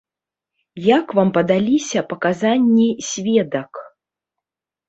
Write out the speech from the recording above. Як вам падаліся паказанні сведак?